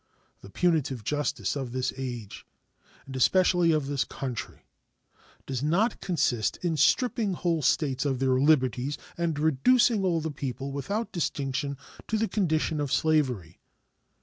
The punitive justice of this age, and especially of this country, does not consist in stripping whole States of their liberties and reducing all their people, without distinction, to the condition of slavery.